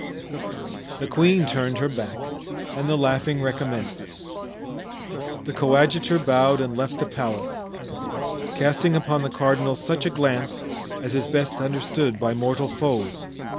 The queen turned her back and the laughing recommenced. The coadjutor bowed and left the palace, casting upon the cardinal such a glance as is best understood by mortal foes.